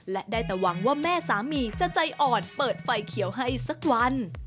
และได้แต่หวังว่าแม่สามีจะใจอ่อนเปิดไฟเขียวให้สักวัน